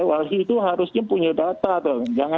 walhi itu harusnya punya data dong